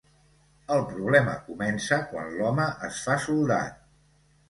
El problema comença quan l'home es fa soldat.